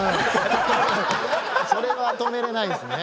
それは止めれないですね。